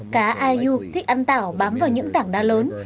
cá aiu thích ăn tảo bám vào những tảng đá lớn